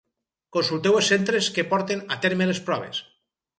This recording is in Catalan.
Consulteu els centres que porten a terme les proves.